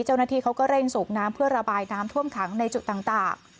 เจ้าหน้าที่เขาก็เร่งสูบน้ำเพื่อระบายน้ำท่วมขังในจุดต่าง